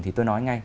thì tôi nói ngay